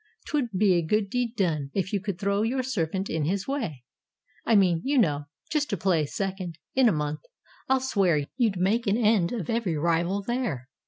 'T would be a good deed done, if you could throw Your servant in his way; I mean, you know, Just to play second: in a month, I'll swear. You'd make an end of every rival there."